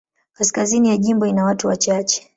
Kaskazini ya jimbo ina watu wachache.